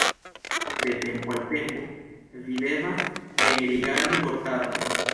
De tempo al tempo vi devas enrigardi vortaron.